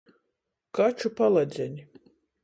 Kaču paladzeni.